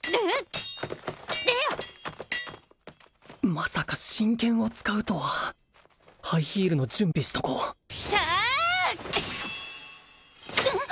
まさか真剣を使うとはハイヒールの準備しとこたああ！